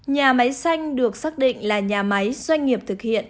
nhà máy xanh được xác định là nhà máy doanh nghiệp thực hiện